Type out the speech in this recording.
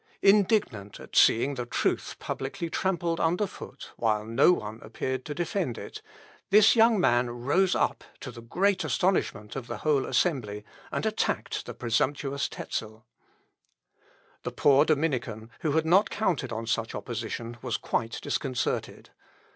Indignant at seeing the truth publicly trampled under foot, while no one appeared to defend it, this young man rose up, to the great astonishment of the whole assembly, and attacked the presumptuous Tezel. The poor Dominican, who had not counted on such opposition, was quite disconcerted.